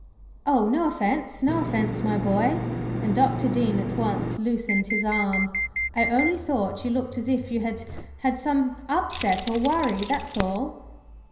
"Oh, no offence; no offence, my boy!" and Dr. Dean at once loosened his arm. "I only thought you looked as if you had had some upset or worry, that's all."